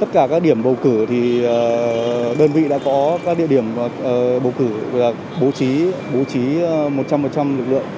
tất cả các điểm bầu cử thì đơn vị đã có các địa điểm bầu cử bố trí bố trí một trăm linh lực lượng